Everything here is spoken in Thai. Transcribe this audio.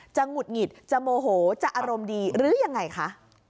หงุดหงิดจะโมโหจะอารมณ์ดีหรือยังไงคะ